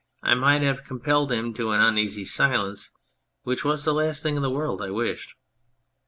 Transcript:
I might have compelled him to an uneasy silence, which was the last thing in the world I wished.